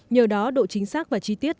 nhờ đó độ chính xác và chi tiết